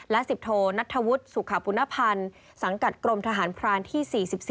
และ๑๐โทนัทธวุฒิสุขปุณภัณฑ์สังกัดกรมทหารพรานที่๔๔